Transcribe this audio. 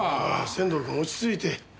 仙堂君落ち着いて。